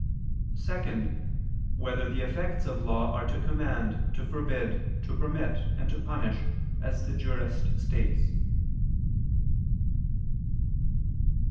(2) Whether the effects of law are to command, to forbid, to permit, and to punish, as the Jurist states?